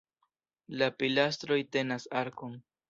La pilastroj tenas arkon.